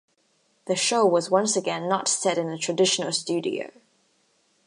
The show was once again not set in a traditional studio.